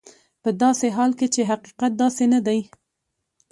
په داسې حال کې چې حقیقت داسې نه دی.